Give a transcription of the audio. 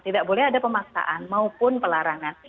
tidak boleh ada pemaksaan maupun pelarangan